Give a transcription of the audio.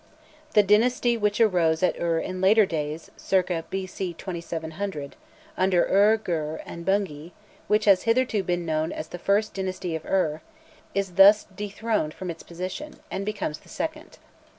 The dynasty which arose at Ur in later days (cir. b.c. 2700), under Ur Gur and Bungi, which has hitherto been known as "the first dynasty of Ur," is thus dethroned from its position, and becomes the second.